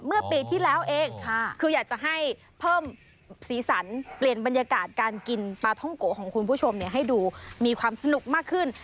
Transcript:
เมื่อปีที่แล้วเองคืออยากจะให้เพิ่มสีสันเปลี่ยนบรรยากาศการกินปลาท่องโกะของคุณผู้ชมให้ดูมีความสนุกมากขึ้น